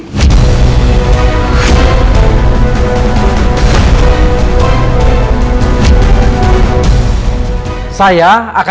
tentu lo suka sama putri